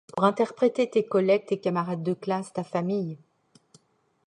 Pour interpréter tes collègues, tes camarades de classe, ta famille…